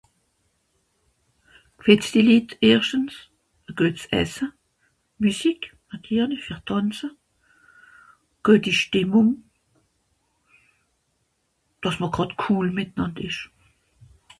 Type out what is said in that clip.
g'fìzti Litt erschtens a guets Esse Musique nàtirli fer tànze gueti stìmmung dàss m'r gràd cool mìtnand esch